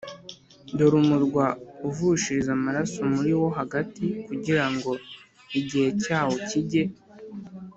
Dore umurwa uvushiriza amaraso muri wo hagati kugira ngo igihe cyawo kige